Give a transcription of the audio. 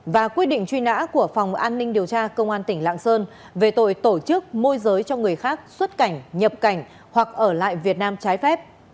và quyết định truy nã của phòng an ninh điều tra công an tỉnh lạng sơn về tội tổ chức môi giới cho người khác xuất cảnh nhập cảnh hoặc ở lại việt nam trái phép